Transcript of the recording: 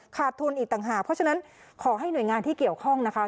ขาดทุนอีกต่างหากเพราะฉะนั้นขอให้หน่วยงานที่เกี่ยวข้องนะคะ